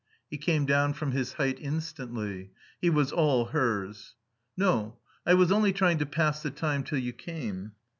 He came down from his height instantly. He was all hers. "No. I was only trying to pass the time till you came."